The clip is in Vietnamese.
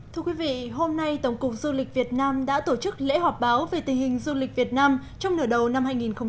thưa quý vị hôm nay tổng cục du lịch việt nam đã tổ chức lễ họp báo về tình hình du lịch việt nam trong nửa đầu năm hai nghìn hai mươi bốn